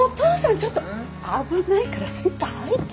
ちょっと危ないからスリッパ履いて。